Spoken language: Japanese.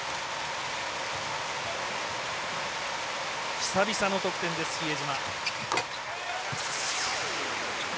久々の得点です、比江島。